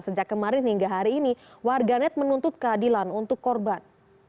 sejak kemarin hingga hari ini warganet menuntut keadilan untuk korban